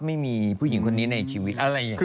ไม่มีผู้หญิงคนนี้ในชีวิต